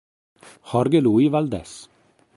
Jorge Luis Valdés